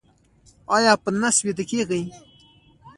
ایا په نس ویده کیږئ؟